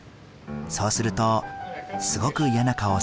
そうするとすごく嫌な顔をされます。